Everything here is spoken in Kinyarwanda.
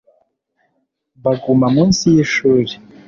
Baguma munsi y ishuri